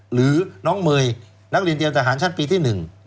หรือน้องเมย์นักเรียนเตรียมทหารชั้นปีที่๑